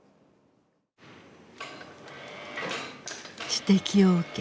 指摘を受け